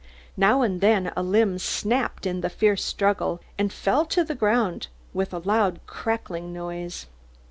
Now and then a limb snapped in the fierce struggle, and fell to the ground with a loud crackling noise.